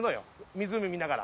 湖見ながら。